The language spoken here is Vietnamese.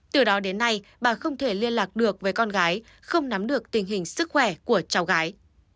từ đó đến nay bà không thể liên lạc được với con gái không nắm được tình hình sức khỏe của cháu gái